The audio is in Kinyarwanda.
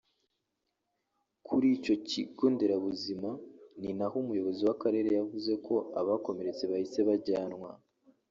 Kuri icyo kigonderabuzima ni naho Umuyobozi w’Akarerere yavuze ko abakomeretse bahise bajyanwa